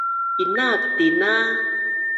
Inaak tina